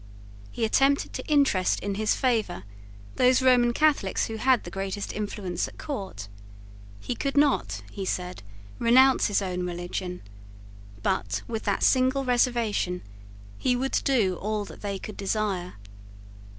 He attempted to interest in his favour those Roman Catholics who had the greatest influence at court. He could not, he said, renounce his own religion: but, with that single reservation, he would do all that they could desire.